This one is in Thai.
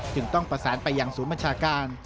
ถึงต้องประสานไปอย่างสูงประชาการ